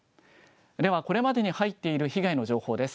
ではこれまでに入っている被害の情報です。